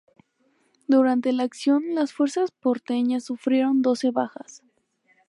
Durante la acción las fuerzas porteñas sufrieron doce bajas.